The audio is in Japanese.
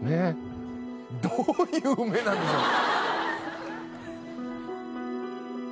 どういう目なんでしょう。